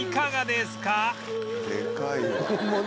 でかいわ。